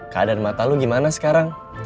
keadaan mata lo gimana sekarang